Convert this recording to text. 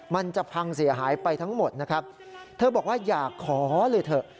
มันจะพังเสียหายไปทั้งหมดนะครับเธอบอกว่าอยากขอเลยเถอะ